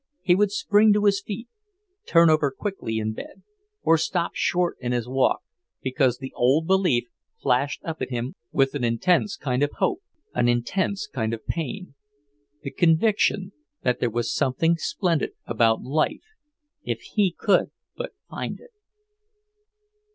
He would spring to his feet, turn over quickly in bed, or stop short in his walk, because the old belief flashed up in him with an intense kind of hope, an intense kind of pain, the conviction that there was something splendid about life, if he could but find it.